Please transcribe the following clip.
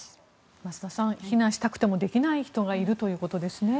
増田さん、避難したくてもできない人がいるということですね。